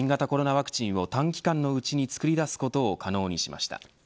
ワクチンを短時間のうちに作り出すことを可能にしました。